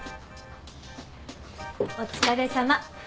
お疲れさま。